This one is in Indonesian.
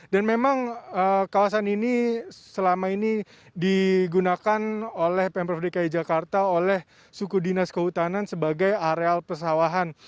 dan memang kawasan ini selama ini digunakan oleh pemprov dki jakarta oleh suku dinas kehutanan sebagai areal pesawahan